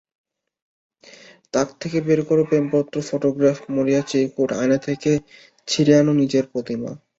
তাক থেকে বের করো প্রেমপত্র, ফটোগ্রাফ, মরিয়া চিরকুট, আয়না থেকে ছিঁড়ে আনো নিজের প্রতিমা।